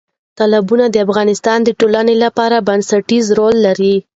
تالابونه د افغانستان د ټولنې لپاره بنسټيز رول لري.